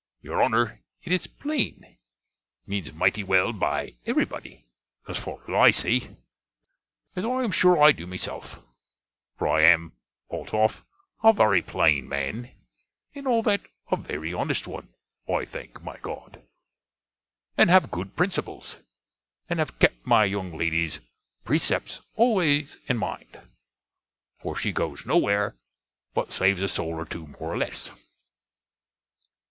Your Honner, it is plane, means mighty well by every body, as far as I see. As I am sure I do myself; for I am, althoff a very plane man, and all that, a very honnest one, I thank my God. And have good principels, and have kept my young lady's pressepts always in mind: for she goes no where, but saves a soul or two, more or less.